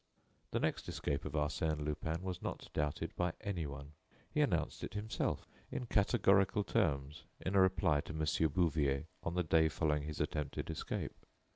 The next escape of Arsène Lupin was not doubted by anyone. He announced it himself, in categorical terms, in a reply to Mon. Bouvier on the day following his attempted escape.